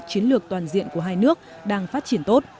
các tiến lược toàn diện của hai nước đang phát triển tốt